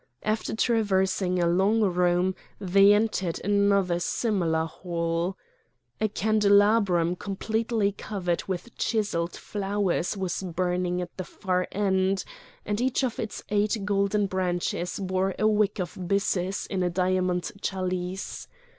After traversing a long room they entered another similar hall. A candelabrum completely covered with chiselled flowers was burning at the far end, and each of its eight golden branches bore a wick of byssus in a diamond chalice.